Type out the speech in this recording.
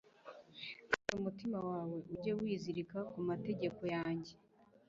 kandi umutima wawe ujye wizirika ku mategeko yanjye